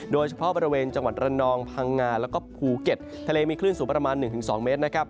โดยเฉพาะบริเวณจังหวัดระนองพังงาแล้วก็ภูเก็ตทะเลมีคลื่นสูงประมาณ๑๒เมตรนะครับ